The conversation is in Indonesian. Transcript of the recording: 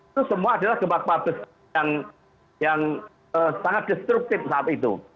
itu semua adalah gempa gempa besar yang sangat destruktif saat itu